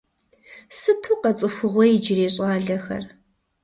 Сыту къэцӏыхугъуей иджырей щӏалэхэр…